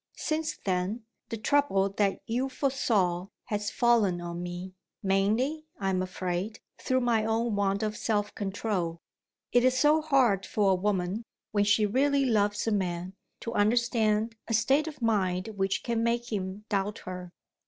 Since then, the trouble that you foresaw has fallen on me; mainly, I am afraid, through my own want of self control. It is so hard for a woman, when she really loves a man, to understand a state of mind which can make him doubt her.